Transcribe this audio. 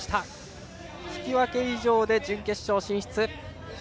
引き分け以上で準決勝進出。